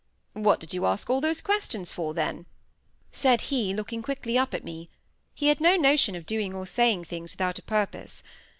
"What did you ask all those questions for, then?" said he, looking quickly up at me. He had no notion of doing or saying things without a purpose.